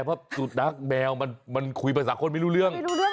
เพราะสุนัขแมวมันคุยภาษาคนไม่รู้เรื่อง